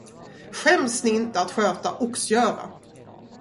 Skäms ni inte att sköta oxgöra?